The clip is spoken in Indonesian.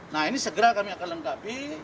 nah ini segera kami akan lengkapi